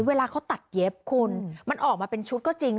เวลาเขาตัดเย็บคุณมันออกมาเป็นชุดก็จริง